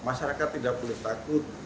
masyarakat tidak boleh takut